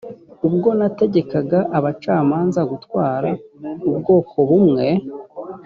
ubwo nategekaga abacamanza gutwara ubwoko bumwe